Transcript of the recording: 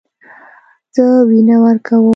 زه وینه ورکوم.